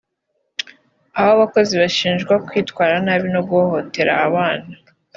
aho abakozi bashinjwa kwitwara nabi no guhohotera abana